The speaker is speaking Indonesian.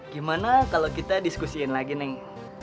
gimana kalau kita diskusiin lagi nih